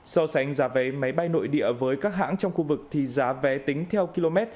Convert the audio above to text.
so sánh giá vé máy bay nội địa với các hãng trong khu vực thì giá vé tính theo km